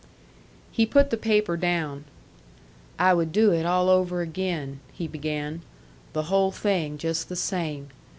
He put the paper down. "I would do it all over again," he began. "The whole thing just the same.